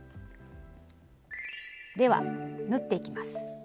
では縫っていきます。